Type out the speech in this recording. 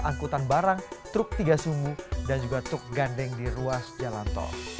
angkutan barang truk tiga sumbu dan juga truk gandeng di ruas jalan tol